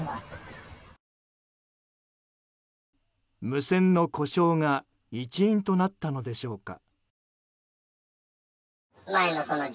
無線の故障が一因となったのでしょうか。